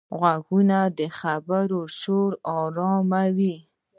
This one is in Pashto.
غوږونه د خبرو شور آراموي